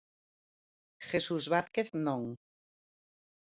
Jesús Vázquez non.